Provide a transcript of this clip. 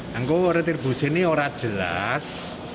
yang gue retribusi ini tidak jelas